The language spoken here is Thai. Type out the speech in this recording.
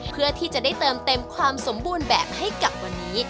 เพื่อที่จะได้เติมเต็มความสมบูรณ์แบบให้กับวันนี้